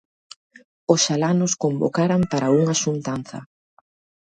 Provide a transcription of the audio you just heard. Oxalá nos convocaran para unha xuntanza.